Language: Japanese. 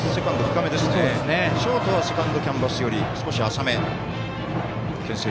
ショートはセカンドキャンバス寄り少し浅め。